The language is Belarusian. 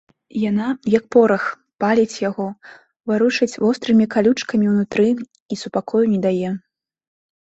Яна, як порах, паліць яго, варушыць вострымі калючкамі ўнутры і супакою не дае.